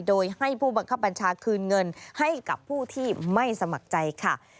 โดยให้ผู้บังคับบัญชาคืนเงินให้กับผู้ที่ไม่สมัครใจค่ะ